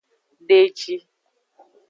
De eji.